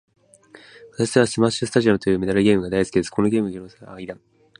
私はスマッシュスタジアムというメダルゲームが大好きです。このゲームの面白さをもっとみんなに広めたいです。